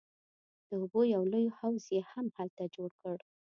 د اوبو یو لوی حوض یې هم هلته جوړ کړ.